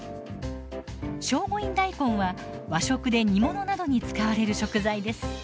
聖護院大根は和食で煮物などに使われる食材です。